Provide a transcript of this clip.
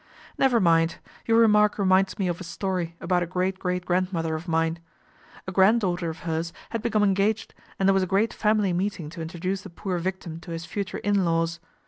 " Never mind, your remark reminds me of a story about a great great grandmother of mine. A granddaughter of hers had become engaged and there was a great family meeting to introduce the poor victim to his future " in laws."